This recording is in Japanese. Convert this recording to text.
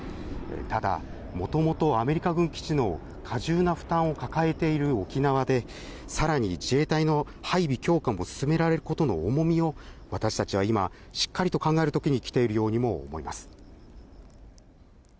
ただ、もともとアメリカ軍基地の過重な負担を抱えている沖縄で、さらに自衛隊の配備強化も進められることの重みを、私たちは今、しっかりと考えるときに来ているようにも思います。